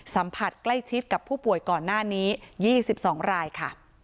สัมผัสใกล้ชิดกับผู้ป่วยก่อนหน้านี้๒๒รายค่ะ